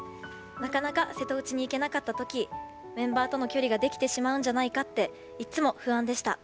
なかなか瀬戸内に行けなかったときにメンバーとの距離ができてしまうんじゃないかっていつも不安でした。